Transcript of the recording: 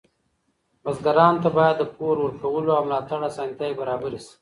بزګرانو ته باید د پور ورکولو او ملاتړ اسانتیاوې برابرې شي.